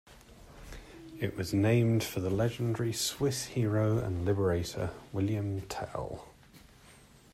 It was named for the legendary Swiss hero and liberator, William Tell.